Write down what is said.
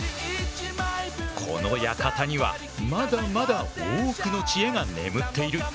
この館にはまだまだ多くの知恵が眠っている。